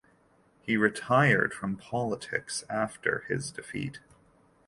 He retired from politics after his defeat.